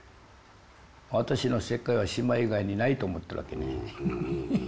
私の世界は島以外にないと思ってるわけね。